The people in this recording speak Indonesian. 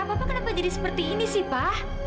papa kenapa jadi seperti ini sih pa